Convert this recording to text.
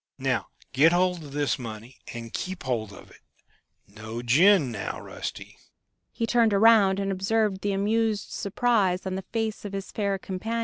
Now, get hold of this money, and keep hold of it. No gin now, Rusty!"